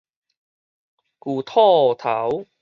舊套頭